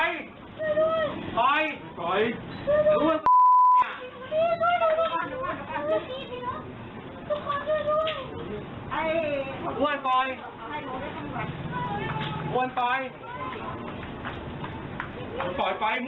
มันปล่อยไปมึงเรียกกว่ายังไง